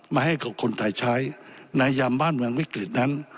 มาให้กับคนไทยใช้ในยามบ้านเมืองวิกฤตนั้น